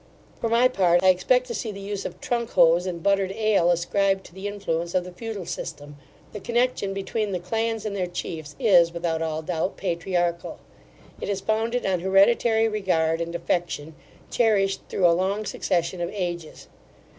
For my part, I expect to see the use of trunk hose and buttered ale ascribed to the influence of the feudal system. The connection between the clans and their chiefs is, without all doubt, patriarchal. It is founded on hereditary regard and affection, cherished through a long succession of ages.